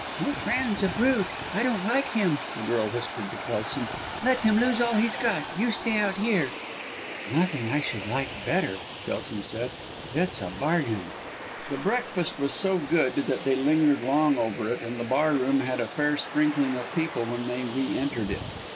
"Your friend's a brute, I don't like him," the girl whispered to Kelson. "Let him lose all he's got you stay out here." "Nothing I should like better," Kelson said, "it's a bargain!" The breakfast was so good that they lingered long over it, and the bar room had a fair sprinkling of people when they re entered it.